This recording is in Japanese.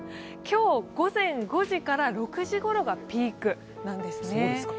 今日午前５時から６時ごろがピークなんですね。